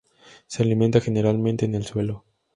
Se alimenta generalmente en el suelo.